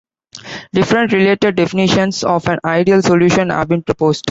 Different related definitions of an ideal solution have been proposed.